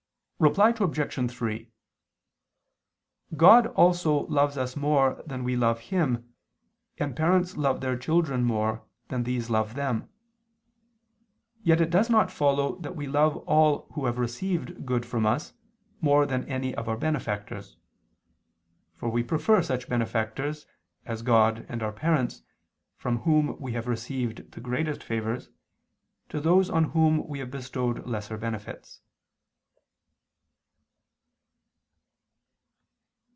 Reply Obj. 3: God also loves us more than we love Him, and parents love their children more than these love them. Yet it does not follow that we love all who have received good from us, more than any of our benefactors. For we prefer such benefactors as God and our parents, from whom we have received the greatest favors, to those on whom we have bestowed lesser benefits.